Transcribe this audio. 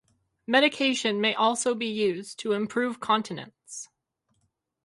Medication may also be used to improve continence.